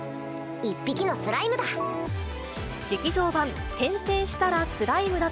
１匹のスライムだ。